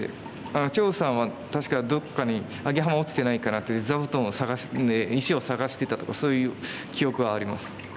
張栩さんは確か「どっかにアゲハマ落ちてないかな」と石を探してたとかそういう記憶はあります。